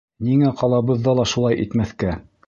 Ниңә ҡалабыҙҙа ла шулай итмәҫкә?